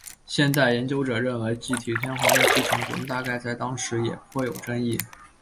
现代研究者认为继体天皇的继承权大概在当时也颇有争议。